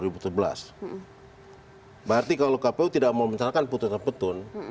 berarti kalau kpu tidak memencarakan putusan petun